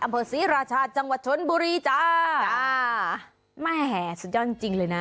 อัมเภิษีราชาจังหวัดชนบุรีจ้าค่ะแหม่แห่สุดยอดจริงจริงเลยน่ะ